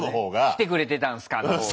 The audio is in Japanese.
来てくれてたんすかのほうが。